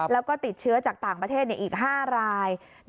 แล้วก็ติดเชื้อจากต่างประเทศอีก๕ราย